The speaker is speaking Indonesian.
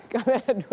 kamera dua bu dita